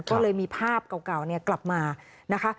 ก็เลยมีภาพเก่ากลับมานะคะ